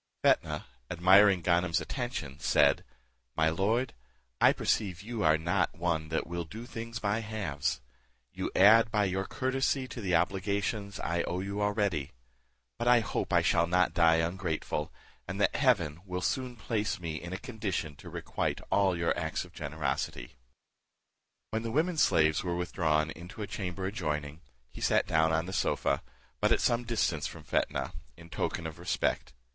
Fetnah, admiring Ganem's attention, said, "My lord, I perceive you are not one that will do things by halves: you add by your courtesy to the obligations I owe you already; but I hope I shall not die ungrateful, and that heaven will soon place me in a condition to requite all your acts of generosity." When the women slaves were withdrawn into a chamber adjoining, he sat down on the sofa, but at some distance from Fetnah, in token of respect.